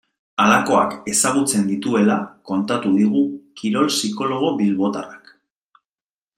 Halakoak ezagutzen dituela kontatu digu kirol psikologo bilbotarrak.